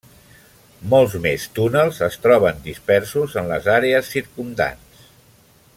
Molts més túnels es troben disperses en les àrees circumdants.